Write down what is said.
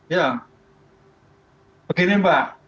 ya begini mbak